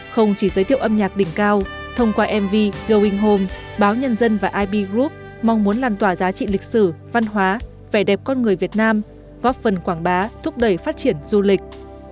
không chỉ giới thiệu âm nhạc đỉnh cao thông qua mv going home báo nhân dân và ib group mong muốn làn tỏa giá trị lịch sử văn hóa vẻ đẹp con người việt nam góp phần quảng bá thúc đẩy phát triển du lịch